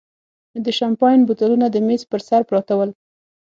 د شیمپین بوتلونه د مېز پر سر پراته ول.